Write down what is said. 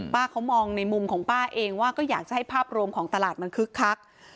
ป้าเขามองในมุมของป้าเองว่าก็อยากจะให้ภาพรวมของตลาดมันคึกคัก